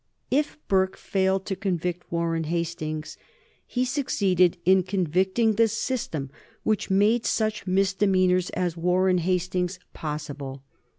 If Burke failed to convict Warren Hastings, he succeeded in convicting the system which made such misdemeanors as Warren Hastings's possible.